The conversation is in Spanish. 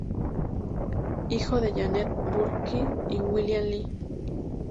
Hijo de Janet Burke y William Lee.